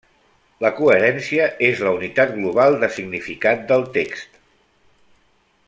La coherència és la unitat global de significat del text.